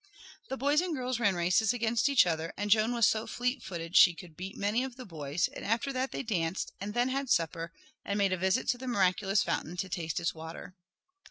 The boys and girls ran races against each other, and Joan was so fleet footed she could beat many of the boys, and after that they danced and then had supper and made a visit to the miraculous fountain to taste its water.